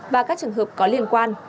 và các trường hợp có liên quan